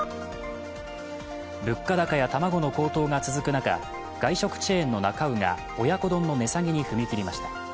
物価高や卵の高騰が続く中、外食チェーンのなか卯が親子丼の値下げに踏み切りました。